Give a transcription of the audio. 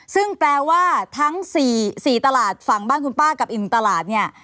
ซึ่งแปลว่าทั้ง๔ตลาดฝั่งบ้านคุณป้ากับอีกหนึ่งตลาดเนี่ย